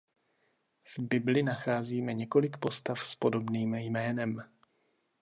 V Bibli nacházíme několik postav s podobným jménem.